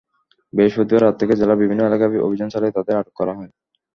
বৃহস্পতিবার রাত থেকে জেলার বিভিন্ন এলাকায় অভিযান চালিয়ে তাদের আটক করা হয়।